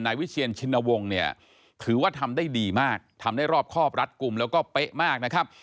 วิเชียนชินวงศ์เนี่ยถือว่าทำได้ดีมากทำได้รอบครอบรัดกลุ่มแล้วก็เป๊ะมากนะครับ